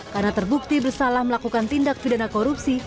karena terbukti bersalah melakukan tindak pidana korupsi